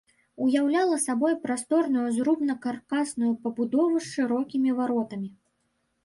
Уяўляла сабой прасторную зрубна-каркасную пабудову з шырокімі варотамі.